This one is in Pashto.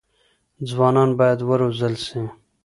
ځوانان بايد وروزل سي.